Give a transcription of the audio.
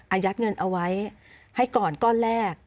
ยัดเงินเอาไว้ให้ก่อนก้อนแรก